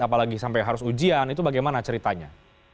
apalagi sampai harus ujian itu bagaimana ceritanya